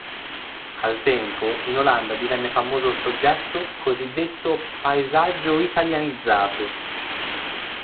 Al tempo in Olanda divenne famoso il soggetto cosiddetto "paesaggio italianizzato".